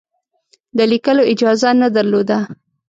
د لیکلو اجازه نه درلوده.